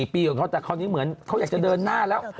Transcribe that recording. ปีของเขาแต่คราวนี้เหมือนเขาอยากจะเดินหน้าแล้ว